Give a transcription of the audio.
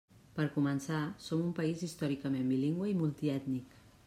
Per començar, som un país històricament bilingüe i multiètnic.